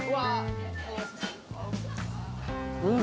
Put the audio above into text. うん。